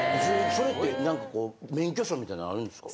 ・それって何かこう免許証みたいなあるんですか？